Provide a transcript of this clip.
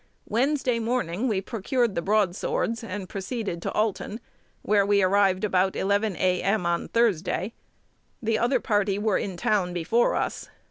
Wednesday morning we procured the broadswords, and proceeded to Alton, where we arrived about 11, A.M., on Thursday. The other party were in town before us.